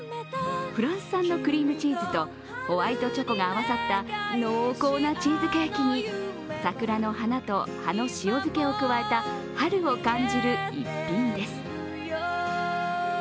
フランス産のクリームチーズとホワイトチョコが合わさった濃厚なチーズケーキに桜の花と葉の塩漬けを加えた春を感じる逸品です。